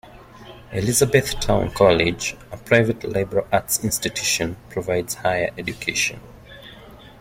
Elizabethtown College, a private liberal arts institution, provides higher education.